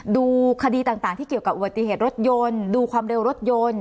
ดูคดีต่างที่เกี่ยวกับอุบัติเหตุรถยนต์ดูความเร็วรถยนต์